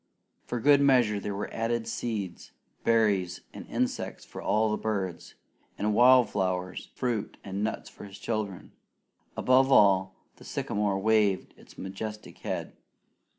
For good measure, there were added seeds, berries, and insects for the birds; and wild flowers, fruit, and nuts for the children. Above all, the sycamore waved its majestic head.